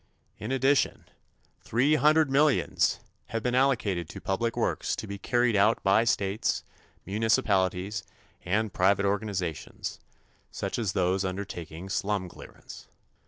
In addition, three hundred millions have been allocated to public works to be carried out by states, municipalities and private organizations, such as those undertaking slum clearance.